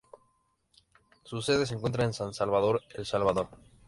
Su sede se encuentra en San Salvador, El Salvador.